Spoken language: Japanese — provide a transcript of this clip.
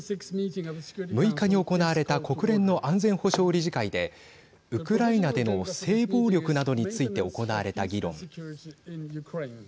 ６日に行われた国連の安全保障理事会でウクライナでの性暴力などについて行われた議論。